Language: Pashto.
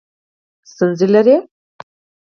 ستونزې لرئ؟